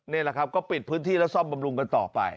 นี่แหละครับก็ปิดพื้นที่และซ่อมบำรุงกันต่อไป